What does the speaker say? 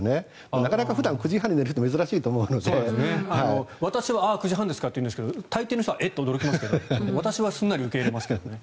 なかなか９時半に寝るのって珍しいと思うので私はああ、９時半ですかって言うんですけど大抵の人はえってなりますけど私はすんなり受け入れますけど。